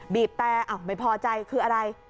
บีบแต่ไม่พอใจคืออะไร